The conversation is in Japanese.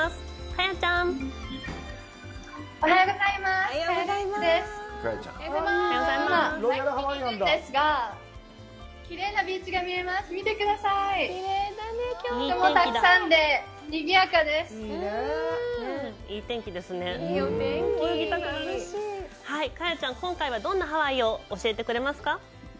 カヤちゃん、今回はどんなハワイを教えてくれますか。